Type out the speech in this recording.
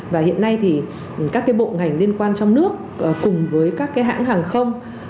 và hiện nay thì các cái bộ ngành liên quan trong nước cùng với các cái hãng hàng không